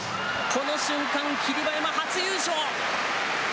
この瞬間、霧馬山初優勝。